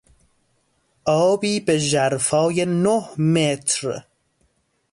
آبی به ژرفای نه متر